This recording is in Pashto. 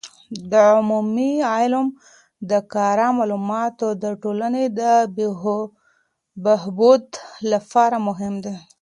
د عوامي علم د کره معلوماتو د ټولنې د بهبود لپاره مهم دی.